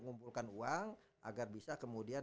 mengumpulkan uang agar bisa kemudian